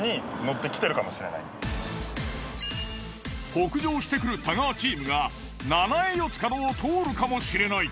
北上してくる太川チームが七栄四ツ角を通るかもしれない。